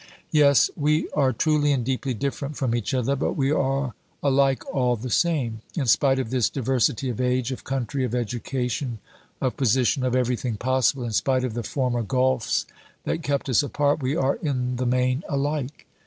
Yes, we are truly and deeply different from each other. But we are alike all the same. In spite of this diversity of age, of country, of education, of position, of everything possible, in spite of the former gulfs that kept us apart, we are in the main alike.